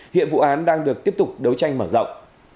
hiện vụ án đang được tiếp tục đấu tranh mở rộng